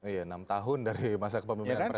iya enam tahun dari masa kepemimpinan presiden